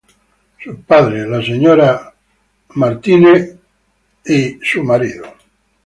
Sus padres, Don Alonso Bustillos y la Sra.